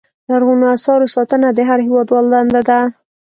لرغونو اثارو ساتنه د هر هېوادوال دنده ده.